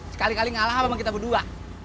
sekali kali ngalah memang kita berdua